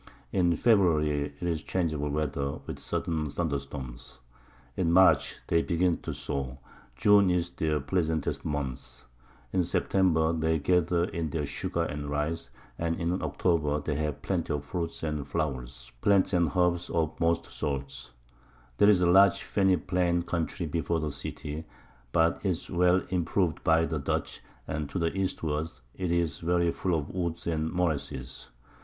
In February 'tis changeable Weather, with sudden Thunderstorms. In March they begin to sow: June is their pleasantest Month; in September they gather in their Sugar and Rice; and in October they have Plenty of Fruit and Flowers, Plants and Herbs of most Sorts: There's a large fenny plain Country before the City, but it's well improv'd by the Dutch, and to the Eastward, 'tis very full of Woods and Morasses.